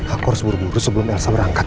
aku harus buru buru sebelum elsa berangkat